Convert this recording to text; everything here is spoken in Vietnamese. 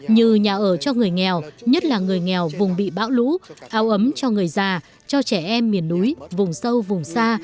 như nhà ở cho người nghèo nhất là người nghèo vùng bị bão lũ áo ấm cho người già cho trẻ em miền núi vùng sâu vùng xa